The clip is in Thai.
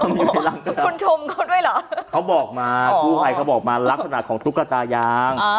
คุณชมเขาด้วยเหรอเขาบอกมากู้ภัยเขาบอกมาลักษณะของตุ๊กตายาง